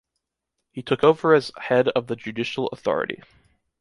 He took over as head of the judicial authority.